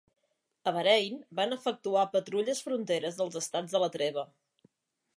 A Bahrain, van efectuar patrulles fronteres dels Estats de la Treva.